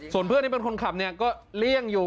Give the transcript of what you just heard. ส่วนเพื่อนที่เป็นคนขับเนี่ยก็เลี่ยงอยู่